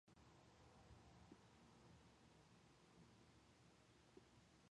They have released four albums, and played concerts around the globe.